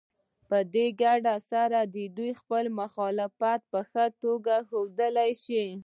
په دې ګډون سره دوی خپل مخالفت په ښه توګه ښودلی شي.